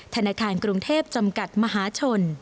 ธนาคารกรุงเทพจำกัดมหาชน